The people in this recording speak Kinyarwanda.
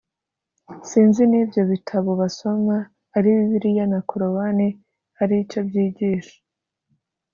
sinzi n’ibyo bitabo basoma ari Bibiliya na Korowani ari cyo byigisha